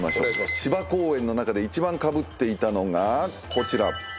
芝公園の中で１番かぶっていたのがこちら。